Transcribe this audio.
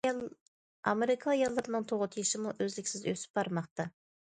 ئامېرىكا ئاياللىرىنىڭ تۇغۇت يېشىمۇ ئۈزلۈكسىز ئۆسۈپ بارماقتا.